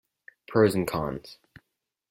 Pros and cons.